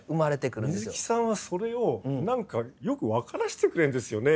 水木さんはそれを何かよく分からしてくれるんですよね。